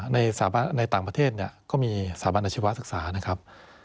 ในต่างประเทศก็มีสถาบันอาชีวศึกษานะครับ